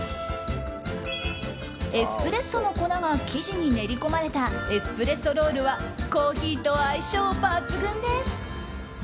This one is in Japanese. エスプレッソの粉が生地に練り込まれたエスプレッソロールはコーヒーと相性抜群です。